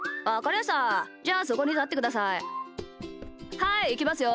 はいいきますよ。